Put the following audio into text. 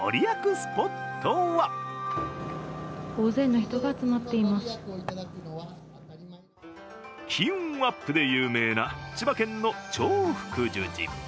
スポットは金運アップで有名な千葉県の長福寿寺。